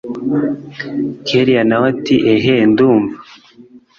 kellia nawe ati eheeeh ndumva